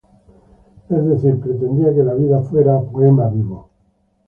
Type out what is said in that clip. Es decir pretendía que la vida fuera poema vivo.